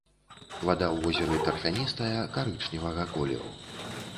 Вада ў возеры тарфяністая, карычневага колеру.